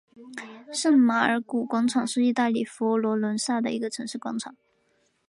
圣马尔谷广场是意大利佛罗伦萨的一个城市广场。